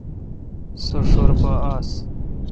سو ݭر پا آس۔